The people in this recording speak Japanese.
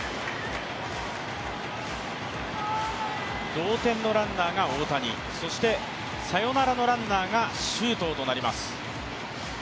同点のランナーが大谷、そして、サヨナラのランナーが周東となります。